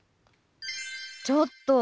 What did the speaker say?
ちょっと！